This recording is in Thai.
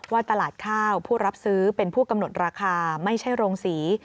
ว่าตลาดข้าวผู้รับซื้อเป็นผู้กำหนดราคาไม่ใช่โรงสี